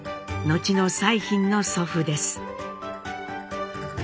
後の彩浜の祖父です。